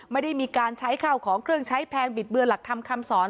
ไม่ได้มีการใช้ข้าวของเครื่องใช้แพงบิดเบือนหลักธรรมคำสอน